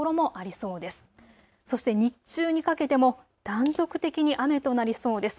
そして日中にかけても断続的に雨となりそうです。